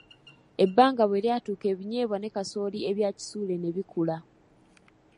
Ebbanga bwe lyatuuka ebinyeebwa ne kasooli ebya Kisuule ne bikula.